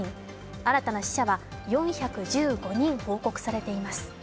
新たな死者は４１５人報告されています。